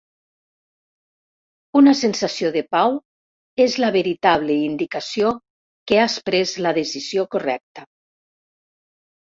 Una sensació de pau és la veritable indicació que has pres la decisió correcta.